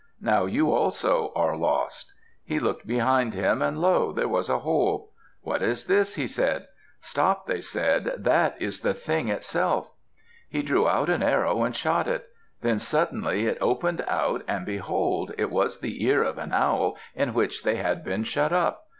Now you also are lost." He looked behind him, and lo! there was a hole. "What is this?" he asked. "Stop!" they said. "That is the thing itself." He drew out an arrow and shot it. Then suddenly it opened out and behold! it was the ear of an owl in which they had been shut up.